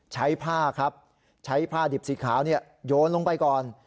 ใช้ผ้าครับใช้ผ้าดิบสีขาวโยนลงไปก่อน